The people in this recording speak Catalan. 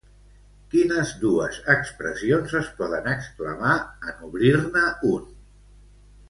Quines dues expressions es poden exclamar en obrir-ne un?